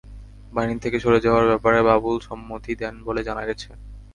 বাহিনী থেকে সরে যাওয়ার ব্যাপারে বাবুল সম্মতি দেন বলে জানা গেছে।